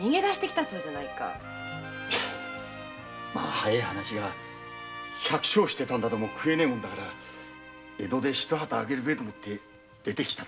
早ぇ話が百姓してたども食えねぇもんだから江戸で一旗揚げるべぇと思って出てきただよ。